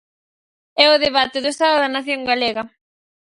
É o debate do estado da nación galega.